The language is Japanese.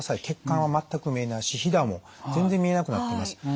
血管は全く見えないしひだも全然見えなくなっています。